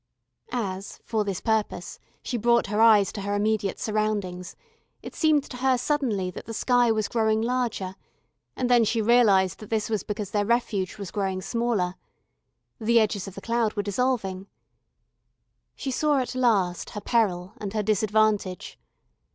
As, for this purpose, she brought her eyes to her immediate surroundings, it seemed to her suddenly that the sky was growing larger, and then she realised that this was because their refuge was growing smaller. The edges of the cloud were dissolving. She saw at last her peril and her disadvantage.